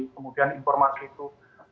kemudian informasi itu